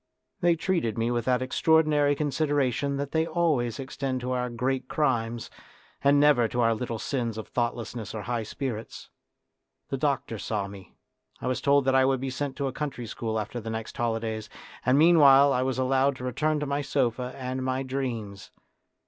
They treated me with that extraordinary consideration that they always extended to our great crimes and never to our little sins of thoughtlessness or high spirits. The doctor saw me. I was told that I would be sent to a country school after the next holidays, and meanwhile I was 46 A DRAMA OF YOUTH allowed to return to my sofa and my dreams.